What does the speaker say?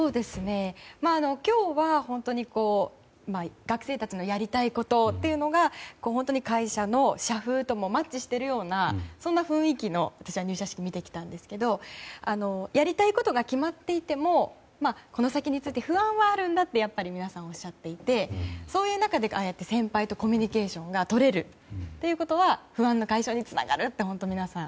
今日は本当に学生たちのやりたいことというのが本当に会社の社風ともマッチしているようなそんな雰囲気の入社式を見てきたんですけどやりたいことが決まっていてもこの先について不安はあるんだとやっぱり、皆さんおっしゃっていてそういう中でああやって先輩とコミュニケーションがとれるということは不安の解消につながると皆さん